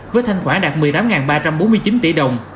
với thanh quả đạt một mươi tám ba trăm bốn mươi chín tỷ đồng